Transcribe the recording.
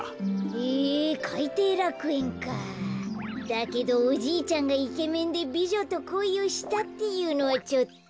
だけどおじいちゃんがイケメンでびじょとこいをしたっていうのはちょっと。